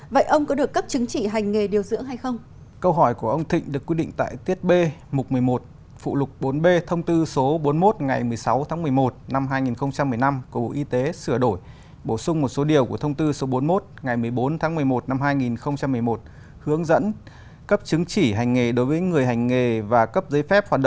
vậy ông có được cấp chứng chỉ hành nghề điều dưỡng hay không